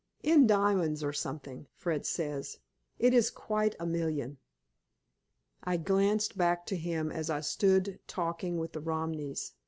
In diamonds, or something, Fred says. It is quite a million." I glanced back to him as I stood talking with the Romneys.